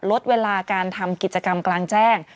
ลดเวลาการทำกิจกรรมกลางแจ้ง